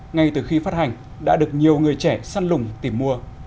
ngay từ khi phát hành đã được nhiều người trẻ săn lùng tìm mua